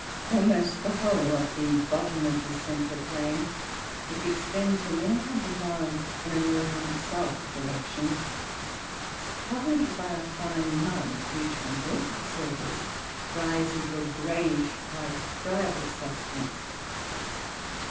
Almost the whole of the bottom of this central plain (which extends for many hundred miles in a north and south direction) is covered by a fine mud, which, when brought to the surface, dries into a greyish white friable substance.